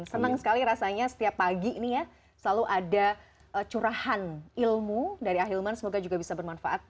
senang sekali rasanya setiap pagi ini ya selalu ada curahan ilmu dari ahilman semoga juga bisa bermanfaat